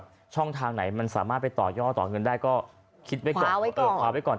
บางทีแบบช่องทางไหนมันสามารถไปต่อย่อต่อเงินได้ก็คิดไว้ก่อน